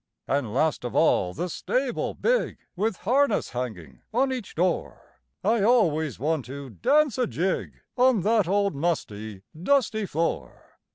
An' last of all the stable big, With harness hanging on each door, I always want to dance a jig On that old musty, dusty floor.